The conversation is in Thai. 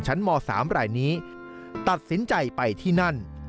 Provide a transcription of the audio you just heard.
ม๓รายนี้ตัดสินใจไปที่นั่น